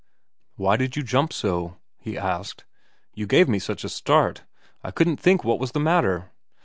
' Why did you jump so ?' he asked. ' You gave me such a start. I couldn't think what was the matter.'